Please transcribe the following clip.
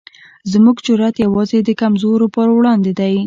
زموږ جرئت یوازې د کمزورو پر وړاندې دی.